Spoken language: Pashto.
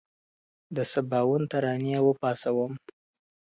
د سباوون ترانې وپاڅوم.